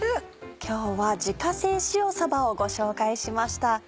今日は「自家製塩さば」をご紹介しました。